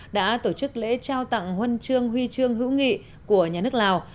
đã tổ chức lễ trao tặng huân chương huy chương hữu nghị của nhà nước lào